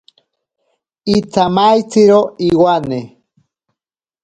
Itsamaitziro iwane.